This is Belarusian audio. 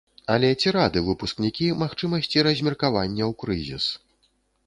Але ці рады выпускнікі магчымасці размеркавання ў крызіс.